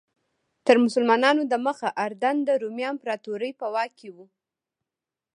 تر مسلمانانو دمخه اردن د رومي امپراتورۍ په واک کې و.